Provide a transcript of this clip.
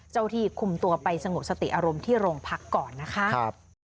ที่คุมตัวไปสงบสติอารมณ์ที่โรงพักก่อนนะคะ